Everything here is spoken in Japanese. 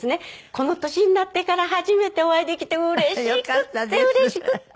この年になってから初めてお会いできてうれしくてうれしくて。